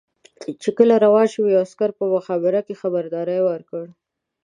چې کله روان شوم یوه عسکر په مخابره کې خبرداری ورکړ.